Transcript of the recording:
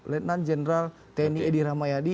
lieutenant general tni edi rahmayadi